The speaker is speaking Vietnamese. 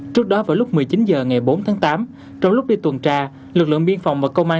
trước đó vào lúc một mươi chín h ngày bốn tháng tám trong lúc đi tuần tra lực lượng biên phòng và công an